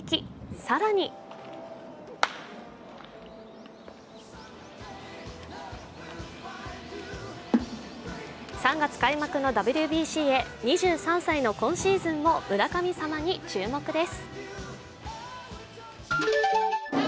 更に３月開幕のＷＢＣへ２３歳の今シーズンも村神様に注目です。